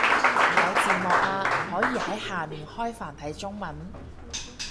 有字幕啊，可以喺下面開繁體中文